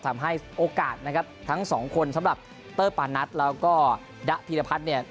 ทำให้โอกาสนะครับทั้งสองคนสำหรับเตอร์ปานัทแล้วก็ดะพีรพัฒน์เนี่ย